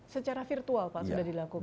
secara virtual pak sudah dilakukan